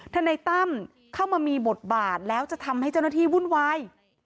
ทนายตั้มเข้ามามีบทบาทแล้วจะทำให้เจ้าหน้าที่วุ่นวาย